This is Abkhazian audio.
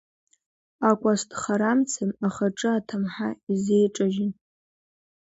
Акәасҭхарамца ахаҿы аҭамҳа изеиҿажьын.